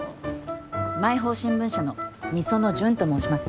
毎報新聞社の御園純と申します。